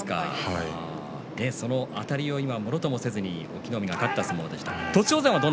そのあたりを今、ものともせずに隠岐の海が勝った相撲でした。